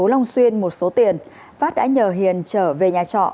trên tp long xuyên một số tiền phát đã nhờ hiền trở về nhà trọ